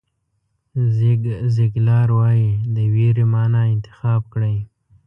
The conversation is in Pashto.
زیګ زیګلار وایي د وېرې معنا انتخاب کړئ.